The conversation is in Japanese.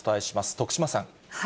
徳島さん。